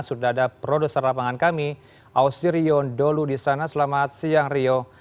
sudah ada produser lapangan kami ausirion dholu di sana selamat siang rio